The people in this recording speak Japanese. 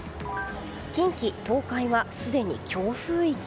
近畿・東海はすでに強風域。